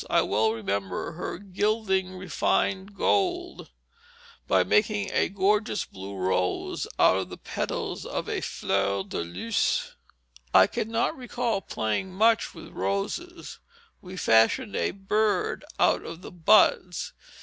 I well remember her "gilding refined gold" by making a gorgeous blue rose out of the petals of a flower de luce. I cannot recall playing much with roses; we fashioned a bird out of the buds.